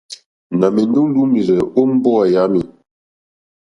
Nà ma ɛndɛ o lùumirzɛ̀ o mbowa yami.